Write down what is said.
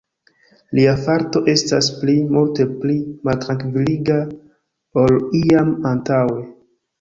Lia farto estas pli, multe pli maltrankviliga, ol iam antaŭe.